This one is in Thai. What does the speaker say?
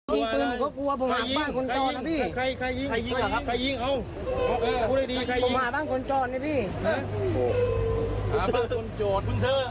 ปากพะยุ่นเพื่อจะถี่เครียงกิ๊กเขาทำให้หนด